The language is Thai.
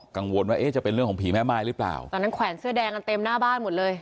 กังวลว่าเอ๊ะจะเป็นเรื่องของผีแม่ม่ายหรือเปล่าตอนนั้นแขวนเสื้อแดงกันเต็มหน้าบ้านหมดเลย